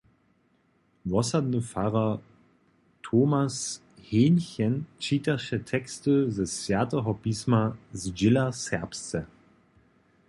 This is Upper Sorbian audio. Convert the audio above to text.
Wosadny farar Thomas Haenchen čitaše teksty ze Swjateho pisma zdźěla serbsce.